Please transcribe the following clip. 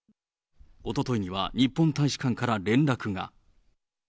おとといには日本大使館から連絡が。